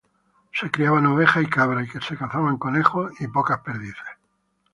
Se criaban ovejas y cabras, y se cazaban conejos y pocas perdices.